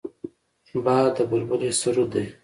باد د بلبله سرود دی